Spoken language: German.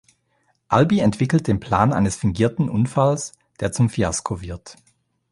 Albi entwickelt den Plan eines fingierten Unfalls, der zum Fiasko wird.